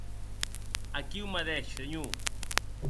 Aquiu madeish, senhor.